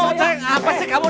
apa sih kamu